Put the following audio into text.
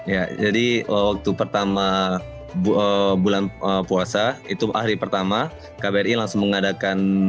ya jadi waktu pertama bulan puasa itu hari pertama kbri langsung mengadakan